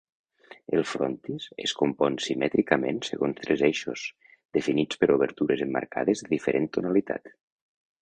El frontis es compon simètricament segons tres eixos, definits per obertures emmarcades de diferent tonalitat.